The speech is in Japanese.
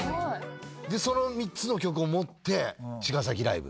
その３つの曲を持って茅ヶ崎ライブ？